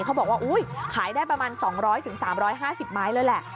เขาบอกว่าขายได้ประมาณ๒๐๐๓๕๐ไม้เลยแหละ